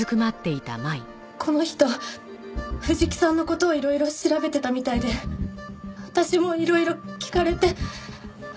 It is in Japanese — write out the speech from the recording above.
この人藤木さんの事をいろいろ調べてたみたいで私もいろいろ聞かれて。